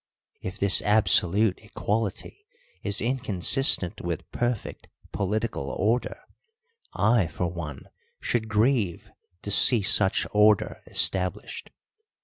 If this absolute equality is inconsistent with perfect political order, I for one should grieve to see such order established.